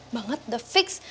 banget udah fix